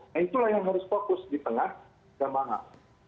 nah itulah yang harus fokus di tengah jamaah